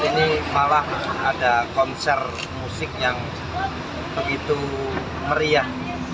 ini malah ada konser musik yang begitu meriah